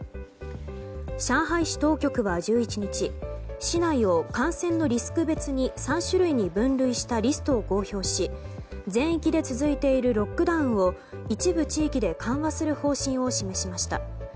上海市当局は１１日市内を感染のリスク別に３種類に分類したリストを公表し全域で続いているロックダウンを一部地域で緩和する方針を示しました。